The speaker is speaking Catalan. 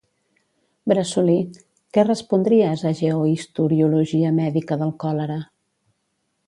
Bressolí, què respondries a «Geohistoriologia mèdica del còlera?